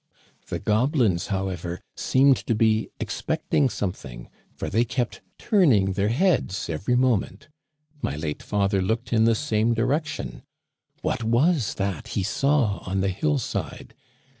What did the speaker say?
* "The goblins, however, seemed to be expecting something, for they kept turning their heads every mo ment My late father looked in the same direction. What was that he saw on the hill side